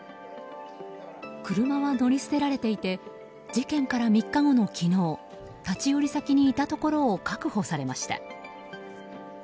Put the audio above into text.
車は乗り捨てられていて事件から３日後の昨日立ち寄り先にいたところを確保されました。